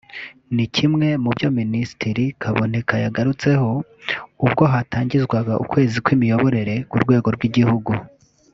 ni kimwe mu byo Minisitiri Kaboneka yagarutseho ubwo hatangizwaga ukwezi kw’imiyoborere ku rwego rw’igihugu